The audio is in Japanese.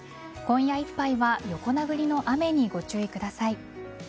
今夜いっぱいは横殴りの雨にご注意ください。